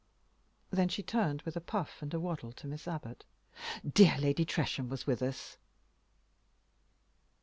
Then she turned, with a puff and a waddle, to Miss Abbot. "Dear Lady Tresham was with us."